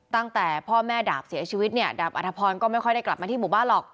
ตั้งแต่พ่อแม่ดาบเสียชีวิตเนี่ยดาบอัธพรก็ไม่ค่อยได้กลับมาที่หมู่บ้านหรอก